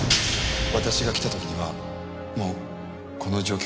私が来た時にはもうこの状況でした。